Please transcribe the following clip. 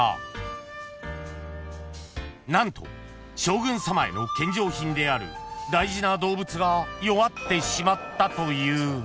［何と将軍さまへの献上品である大事な動物が弱ってしまったという］